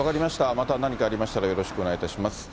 また何かありましたら、よろしくお願いいたします。